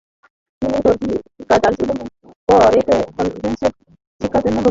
তিনি দার্জিলিংয়ের লরেটে কনভেন্টে শিক্ষার জন্যে ভর্তি হন।